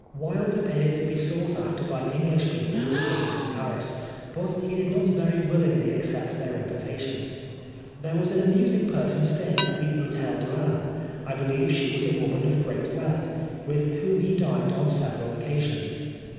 Wilde appeared to be sought after by English people who were visiting Paris, but he did not very willingly accept their invita tions. There was an amusing person staying at the Hotel du Rhin I believe she was a woman of great wealth with whom he dined on several occasions.